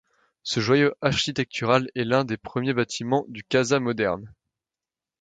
Ce joyau architectural est alors “l’un des premiers bâtiments du Casa moderne.